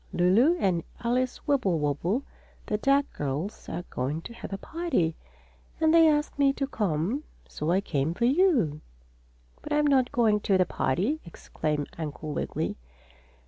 "Lulu and Alice Wibblewobble, the duck girls, are going to have a party, and they asked me to come. So I came for you." "But I'm not going to the party!" exclaimed Uncle Wiggily.